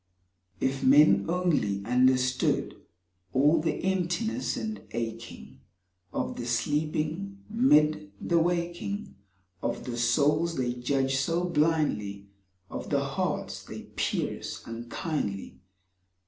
If men only understood All the emptiness and aching Of the sleeping mid the waking Of the souls they judge so blindly, Of the hearts they pierce unkindly.